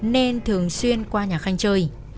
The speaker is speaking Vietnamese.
nên thường xuyên qua nhà khanh chơi